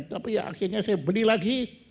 tapi ya akhirnya saya beli lagi